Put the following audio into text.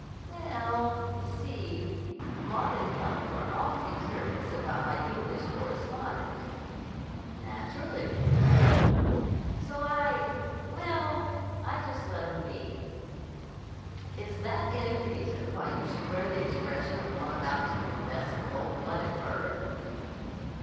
"We ell, you see, Maud and Helen were awfully curious about my English correspondent." "Naturally." "So I—well, I just let 'em be." "Is that any reason why you should wear the expression of one about to confess to a coldblooded murder?"